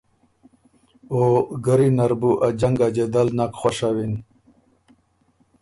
او ګرّی نر بُو ا جنګ ا جدل نک خؤشوِن۔